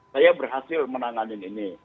saya berhasil menanganin ini